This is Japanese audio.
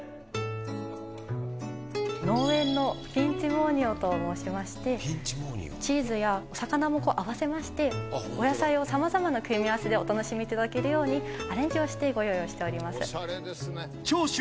農園のピンツィモーニオと申しましてチーズや魚も合わせましてお野菜を様々な組み合わせでお楽しみいただけるようにアレンジをしてご用意をしております。